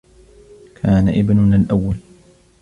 كان ابننا الأوّل.